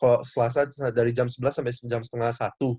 kalau selasa dari jam sebelas sampai jam setengah satu